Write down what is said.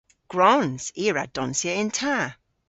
Gwrons! I a wra donsya yn ta!